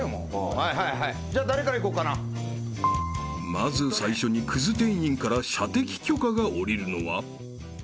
［まず最初にクズ店員から射的許可が下りるのは］